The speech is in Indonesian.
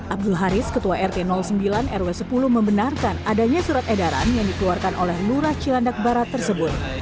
abdul haris ketua rt sembilan rw sepuluh membenarkan adanya surat edaran yang dikeluarkan oleh lurah cilandak barat tersebut